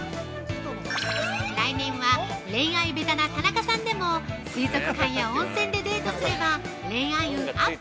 ◆来年は恋愛下手な田中さんでも水族館や温泉でデートすれば恋愛運アップ！